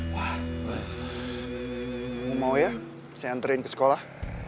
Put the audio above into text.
wah mau ya saya anterin ke sekolah